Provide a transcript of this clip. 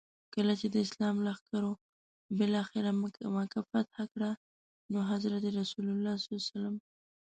کله چي د اسلام لښکرو بالاخره مکه فتح کړه نو حضرت رسول ص.